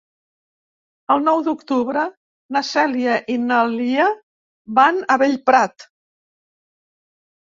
El nou d'octubre na Cèlia i na Lia van a Bellprat.